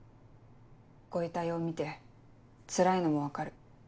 ご遺体を見てつらいのも分かる。